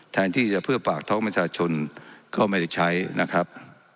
แทนที่จะเพื่อปากท้องประชาชนก็ไม่ได้ใช้นะครับ